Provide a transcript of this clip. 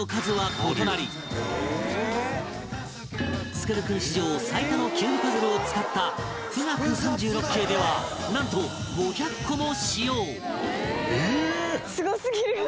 創君史上最多のキューブパズルを使った『冨嶽三十六景』ではなんと５００個も使用